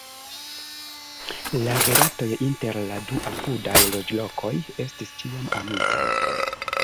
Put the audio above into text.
La rilatoj inter la du apudaj loĝlokoj estis ĉiam amikaj.